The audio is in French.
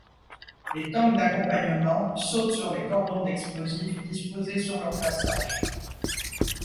Les tanks d'accompagnement sautent sur les cordons d'explosifs disposés sur leur passage.